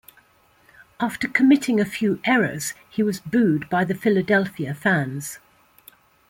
After committing a few errors, he was booed by the Philadelphia fans.